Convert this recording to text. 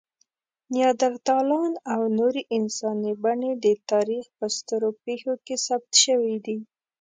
نیاندرتالان او نورې انساني بڼې د تاریخ په سترو پېښو کې ثبت شوي دي.